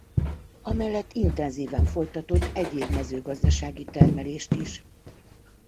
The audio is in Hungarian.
Amellett intenzíven folytatott egyéb mezőgazdasági termelést is.